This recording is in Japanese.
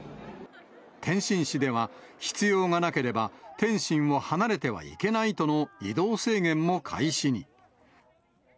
天津市では、必要がなければ、天津を離れてはいけないとの移動制限も開始に。